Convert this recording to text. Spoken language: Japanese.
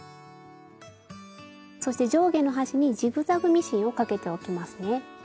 そして上下の端にジグザグミシンをかけておきますね。